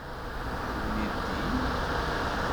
Ad ḥlun yideddiyen-a?